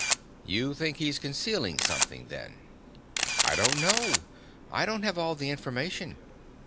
"You think he's concealing something, then?" "I don't know. I don't have all the information."